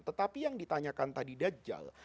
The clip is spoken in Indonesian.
tetapi yang ditanyakan tadi dajjal